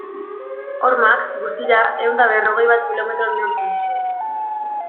Hormak, guztira ehun eta berrogei bat kilometro neurtzen zuen.